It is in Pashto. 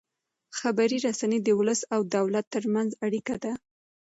خبري رسنۍ د ولس او دولت ترمنځ اړیکه ده.